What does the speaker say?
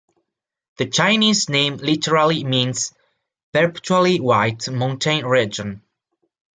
The Chinese name literally means "Perpetually-White Mountain Region".